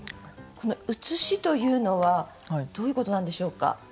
この「写し」というのはどういうことなんでしょうか？